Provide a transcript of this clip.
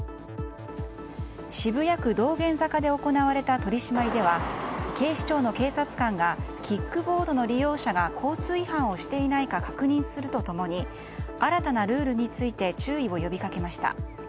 渋谷区道玄坂で行われた取り締まりでは警視庁の警察官がキックボードの利用者が交通違反をしていないか確認すると共に新たなルールについて注意を呼びかけました。